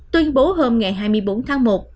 tuyên bố hôm ngày hai mươi bốn tháng một